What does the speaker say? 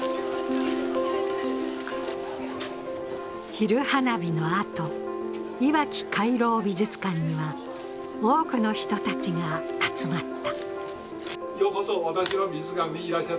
昼花火のあと、いわき回廊美術館には多くの人たちが集まった。